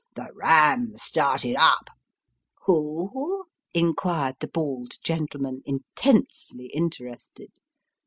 The Ram started up " Who ?" inquired the bald gentleman, intensely interested.